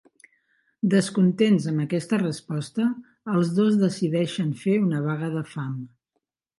Descontents amb aquesta resposta, els dos decideixen fer una vaga de fam.